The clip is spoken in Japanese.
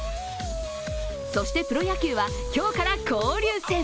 そしてプロ野球は今日から交流戦。